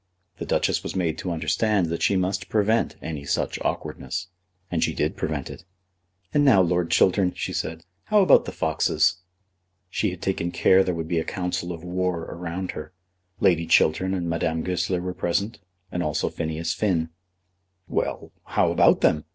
The Duchess was made to understand that she must prevent any such awkwardness. And she did prevent it. "And now, Lord Chiltern," she said, "how about the foxes?" She had taken care there should be a council of war around her. Lady Chiltern and Madame Goesler were present, and also Phineas Finn. "Well; how about them?"